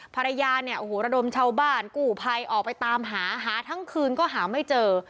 ภรรยาเนี่ยโอ้โหระดมชาวบ้านกู้ภัยออกไปตามหาหาทั้งคืนก็หาไม่เจอ